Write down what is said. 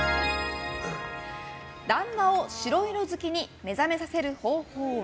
旦那を白色好きに目覚めさせる方法は？